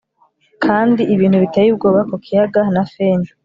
Kandi ibintu biteye ubwoba ku kiyaga na fen